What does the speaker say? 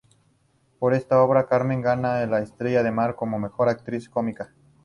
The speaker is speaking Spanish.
Por esta obra, Carmen gana el Estrella de Mar como "mejor Actriz cómica".